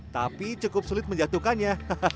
tapi cukup sulit menjatuhkannya